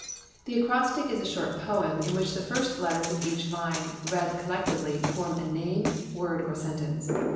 The acrostic is a short poem in which the first letters of each line, read collectively, form a name, word, or sentence.